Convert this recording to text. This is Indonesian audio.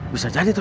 bisa jadi tuh